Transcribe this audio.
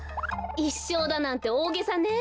いっしょうだなんておおげさね。